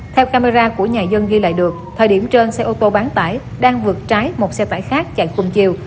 theo camera của nhà dân ghi lại được thời điểm trên xe ô tô bán tải đang vượt trái một xe tải khác chạy cùng chiều